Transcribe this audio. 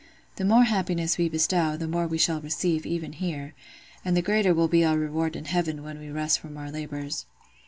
The more happiness we bestow, the more we shall receive, even here; and the greater will be our reward in heaven when we rest from our labours.